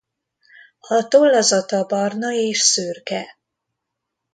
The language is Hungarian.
A tollazata barna és szürke.